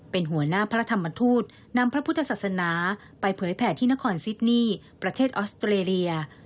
เป็นหัวหน้าพระธรรมทูตนำพระพุทธศาสนาไปเผยแผ่ที่นครซิดนี่ประเทศออสเตรเลีย